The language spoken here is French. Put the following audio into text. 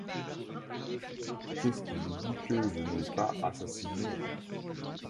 Qui est-ce qui vous dit que je n’ai pas assassiné?